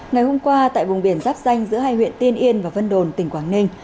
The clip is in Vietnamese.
ngày hôm qua tại vùng biển giáp danh giữa hai huyện tiên yên và vân đồn tỉnh quảng ninh